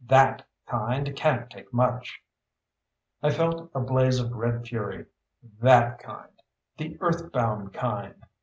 _ That kind can't take much." I felt a blaze of red fury. That kind. The Earthbound kind!